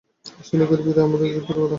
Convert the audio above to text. সেই লোকের ভিড়ই আমার যুদ্ধের ঘোড়া।